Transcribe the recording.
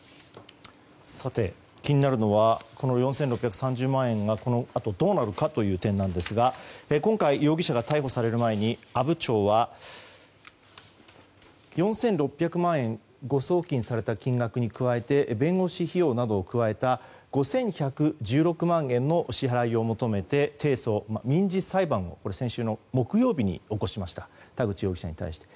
さて、気になるのはこの４６３０万円がこのあと、どうなるかという点ですが今回、容疑者が逮捕される前に阿武町は、４６００万円誤送金された金額に加えて弁護士費用などを加えた５１１６万円の支払いを求めて提訴、民事裁判を先週の木曜日に起こしました田口容疑者に対して。